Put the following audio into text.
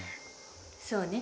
そうね。